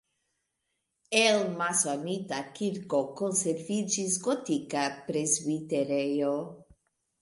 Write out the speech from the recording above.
El masonita kirko konserviĝis gotika presbiterejo.